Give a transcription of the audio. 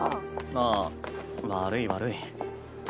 ああ悪い悪い。